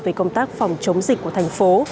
về công tác phòng chống dịch của thành phố